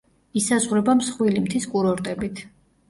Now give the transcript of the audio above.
ისაზღვრება მსხვილი მთის კურორტებით.